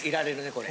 これ。